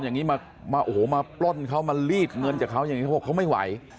อย่างนี้มาโอ้โหมาปล้นเขามาลีดเงินจากเขาอย่างนี้เขาบอกเขาไม่ไหว